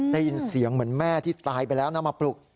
ได้ยินเสียงเหมือนแม่ที่ตายไปแล้วนะมาปลุก